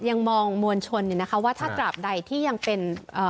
ยังมองมวลชนว่าถ้าตราบใดที่ยังเป็น